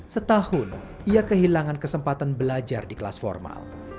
setahun ia kehilangan kesempatan belajar di kelas formal